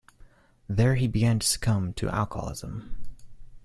There he began to succumb to alcoholism.